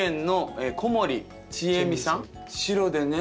白でね。